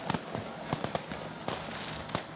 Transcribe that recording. aku sudah lakukan